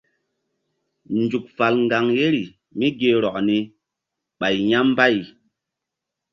Nzuk fal ŋgaŋ yeri mí gi rɔk ni ɓay ya̧ mbay.